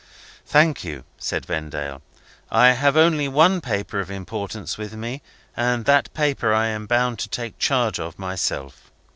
"Thank you," said Vendale. "I have only one paper of importance with me; and that paper I am bound to take charge of myself.